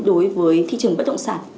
đối với thị trường bất động sản